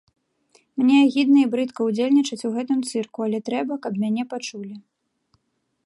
Мне агідна і брыдка удзельнічаць у гэтым цырку, але трэба, каб мяне пачулі.